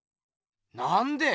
なんで？